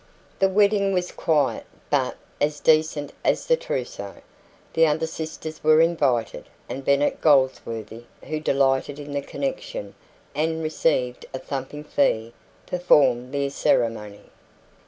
The wedding was quiet, but as "decent" as the trousseau. The other sisters were invited, and Bennet Goldsworthy who delighted in the connection, and received a thumping fee performed the ceremony.